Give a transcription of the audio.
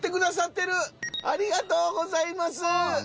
ありがとうございます！